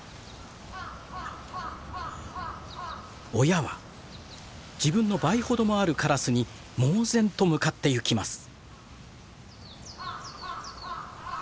親は自分の倍ほどもあるカラスに猛然と向かってゆきます。